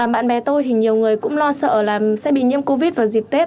bạn bè tôi thì nhiều người cũng lo sợ là sẽ bị nhiễm covid vào dịp tết